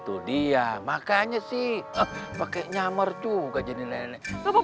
itu dia makanya sih pakai nyamar juga jadi lele